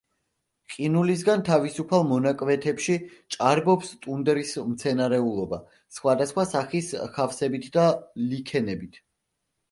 ყინულისგან თავისუფალ მონაკვეთებში ჭარბობს ტუნდრის მცენარეულობა სხვადასხვა სახის ხავსებით და ლიქენებით.